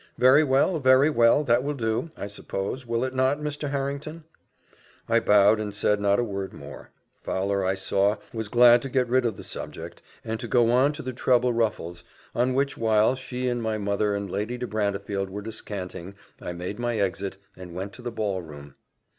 "Very well, very well, that will do, I suppose, will it not, Mr. Harrington?" I bowed, and said not a word more Fowler, I saw, was glad to get rid of the subject, and to go on to the treble ruffles, on which while she and my mother and Lady de Brantefield were descanting, I made my exit, and went to the ball room.